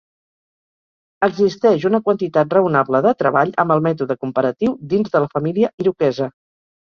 Existeix una quantitat raonable de treball amb el mètode comparatiu dins de la família iroquesa.